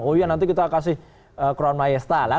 oh iya nanti kita kasih crown maesta lah